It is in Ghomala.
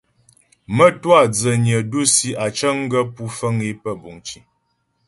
Mə́twâ dzənyə dǔsi á cəŋ gaə́ pú fəŋ é pə́ buŋ cì.